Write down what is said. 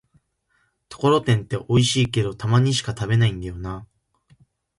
ところてんっておいしいけど、たまにしか食べないんだよなぁ